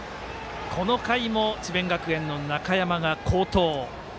この回も智弁学園の中山が好投。